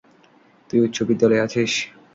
তুই উচ্চ বিদ্যালয়ে আছিস।